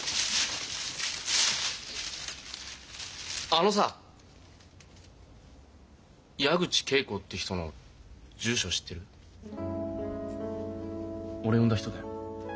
あのさ矢口桂子って人の住所知ってる？俺を産んだ人だよ。